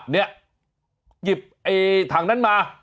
เนี่ยหยิบไอ้ถังนั้นมา